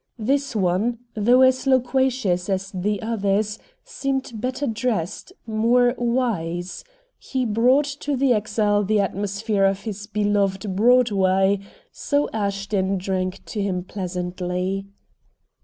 This one, though as loquacious as the others, seemed better dressed, more "wise"; he brought to the exile the atmosphere of his beloved Broadway, so Ashton drank to him pleasantly.